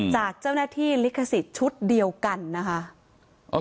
จากเจ้าหน้าที่ลิขสิทธิ์ชุดเดียวกันนะคะ